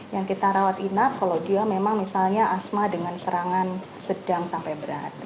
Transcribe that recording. yang kita rawat inap kalau dia memang misalnya asma dengan serangan sedang sampai berat